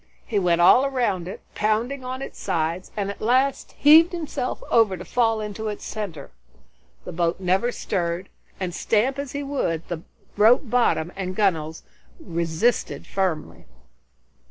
He went all around it, pounding its sides, and at last heaved himself over to fall into its center. The boat never stirred, and stamp as he would, the rope bottom and gunwales resisted firmly.